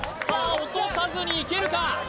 落とさずにいけるか？